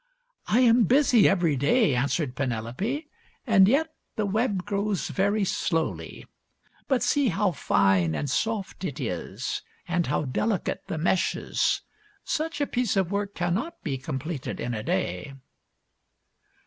" I am busy every day," answered Penelope, " and yet the web grows very slowly. But see how fine and soft it is, and how delicate the meshes. Such a piece of work cannot be completed in a day."